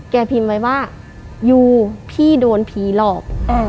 พิมพ์ไว้ว่ายูพี่โดนผีหลอก